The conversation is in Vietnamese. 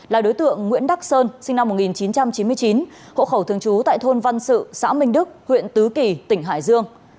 là đối tượng nguyễn đắc sơn sinh năm một nghìn chín trăm chín mươi chín hộ khẩu thường trú tại thôn văn sự xã minh đức huyện tứ kỳ tỉnh hải dương